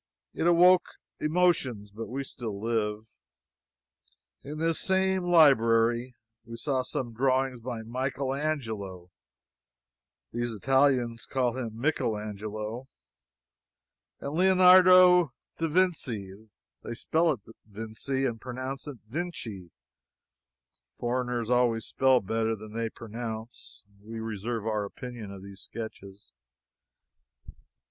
It awoke emotions, but we still live. In this same library we saw some drawings by Michael Angelo (these Italians call him Mickel Angelo,) and Leonardo da Vinci. (They spell it Vinci and pronounce it Vinchy; foreigners always spell better than they pronounce.) We reserve our opinion of these sketches.